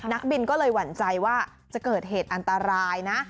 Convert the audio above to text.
นักบินก็เลยหวั่นใจว่าจะเกิดเหตุอันตรายนะ